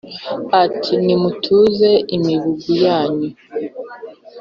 ati : nimutuze imibugu yanyu